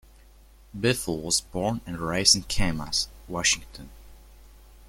Biffle was born and raised in Camas, Washington.